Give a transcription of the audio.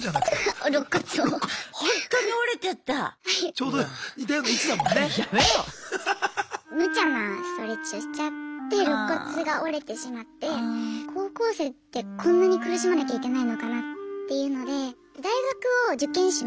ちょうどむちゃなストレッチをしちゃってろっ骨が折れてしまって高校生ってこんなに苦しまなきゃいけないのかなっていうので大学を受験しました。